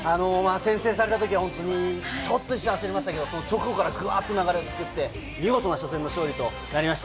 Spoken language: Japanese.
先制されたときは、ちょっと一瞬焦りましたけれど、直後からグッと流れをつかんで、見事初戦の勝利となりました。